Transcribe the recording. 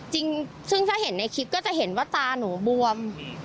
จริงซึ่งถ้าเห็นในคลิปก็จะเห็นว่าตาหนูบวม